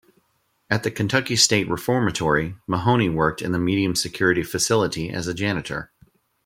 At the Kentucky State Reformatory, Mahoney worked in the medium-security facility as a janitor.